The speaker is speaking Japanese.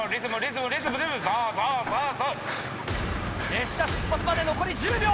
列車出発まで残り１０秒。